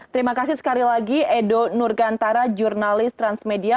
terima kasih sekali lagi edo nurgantara jurnalis transmedia